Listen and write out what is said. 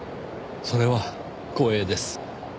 それは光栄です。